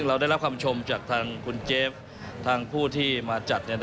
เราได้รับคำชมจากทางคุณเจฟทางผู้ที่มาจัด